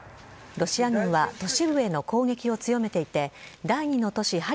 ロシア軍は都市部への攻撃を強めていて、第２の都市